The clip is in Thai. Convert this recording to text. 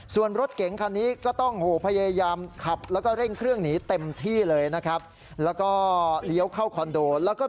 ส่วนรถเก๋งคันนี้ก็ต้องโห